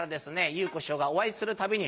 祐子師匠がお会いするたびに